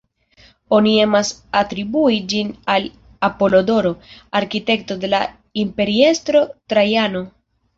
Oni emas atribui ĝin al Apolodoro, arkitekto de la imperiestro Trajano.